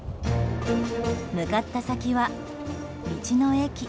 向かった先は道の駅。